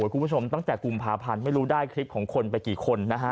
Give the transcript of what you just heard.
ครูผู้ชมตั้งแต่กลุ่มภาพันธ์ไม่รู้คลิปของคนไปกี่คน